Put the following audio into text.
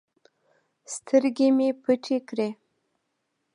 سترگې مې پټې کړې.